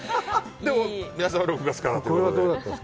でも、皆さんは６月からということで。